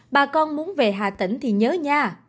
bà con muốn về hà tĩnh thì nhớ nha